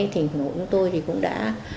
tỉnh hội của tôi cũng đã